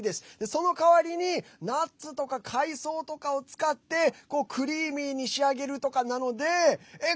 その代わりにナッツとか海藻とかを使ってクリーミーに仕上げるとかなのでえっ！